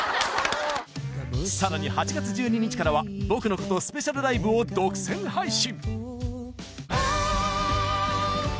さらに８月１２日からは『僕のこと』スペシャル ＬＩＶＥ を独占配信！